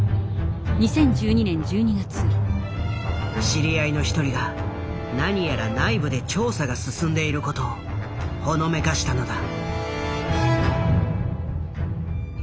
知り合いの一人が何やら内部で調査が進んでいることをほのめかしたのだ。